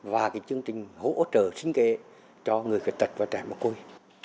và chương trình hỗ trợ sinh kế cho người khuyết tật và trẻ mồ côi